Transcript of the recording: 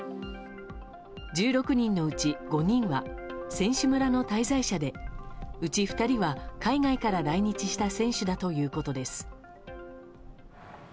１６人のうち５人は選手村の滞在者でうち２人は海外から来日した選手だということです。